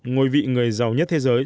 ngôi vị người giàu nhất thế giới